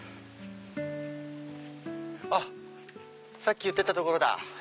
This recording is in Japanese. あっさっき言ってた所だ。